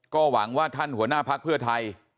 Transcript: ก็หวังว่าท่านหัวหน้าพักเพื่อไทย